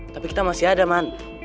tapi kita masih ada man